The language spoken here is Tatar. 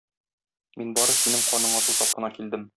Мин бары синең каныңа сусап кына килдем.